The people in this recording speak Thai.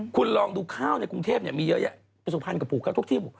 คุณลองดูข้าวในกรุงเทพฯมีเยอะสุภัณฑ์กับปลูกครับทุกที่